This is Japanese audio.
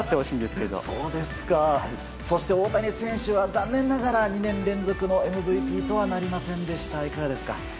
そして、大谷選手は残念ながら２年連続のＭＶＰとはなりませんでしたがいかがですか？